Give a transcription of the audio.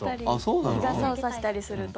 日傘を差したりするとね。